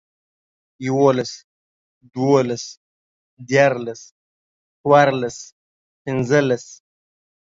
يوولس، دوولس، ديارلس، څوارلس، پينځلس